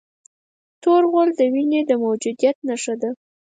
تور غول د وینې د موجودیت نښه ده.